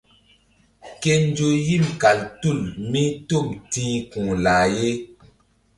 Ke nzo yim kal tul mí tom ti̧h ku̧ lah ye.